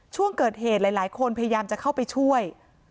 ช่วงเกิดเหตุหลายคนพยายามจะเข้าไปช่วย